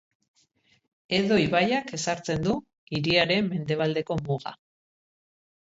Edo ibaiak ezartzen du hiriaren mendebaldeko muga.